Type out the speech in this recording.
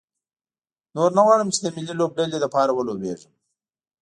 نور نه غواړم چې د ملي لوبډلې لپاره ولوبېږم.